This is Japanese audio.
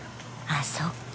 あっそうか。